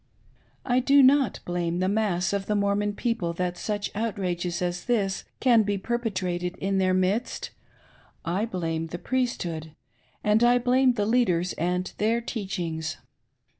I do not blame the mass of the Mormon people that such outrages as this can be perpetrated in their midst, — I blam^ the Priesthood, and I blame the leaders and their teachings.